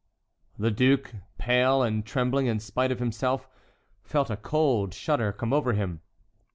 The duke, pale, and trembling in spite of himself, felt a cold shudder come over him.